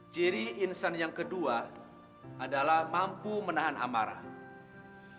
ciri insan yang kedua adalah mampu menahan amarah